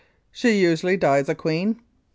She usually dies a queen. Q.